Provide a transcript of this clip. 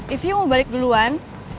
if you mau balik duluan